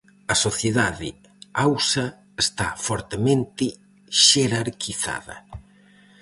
A sociedade hausa está fortemente xerarquizada.